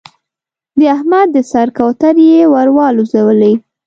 د احمد د سر کوترې يې ور والوزولې.